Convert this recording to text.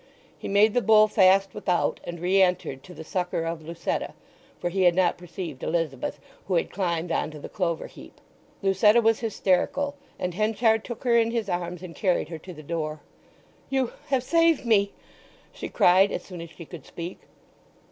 He made the bull fast without, and re entered to the succour of Lucetta; for he had not perceived Elizabeth, who had climbed on to the clover heap. Lucetta was hysterical, and Henchard took her in his arms and carried her to the door. "You—have saved me!" she cried, as soon as she could speak.